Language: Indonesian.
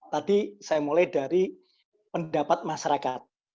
tadi saya mulai dari pendapat masyarakat